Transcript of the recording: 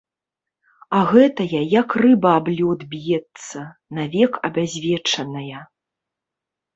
А гэтая як рыба аб лёд б'ецца, навек абязвечаная.